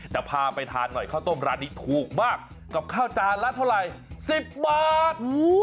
แต่พาไปทานหน่อยข้าวต้มร้านนี้ถูกมากกับข้าวจานละเท่าไหร่๑๐บาท